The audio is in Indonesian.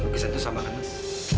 kukisnya itu sama kan mas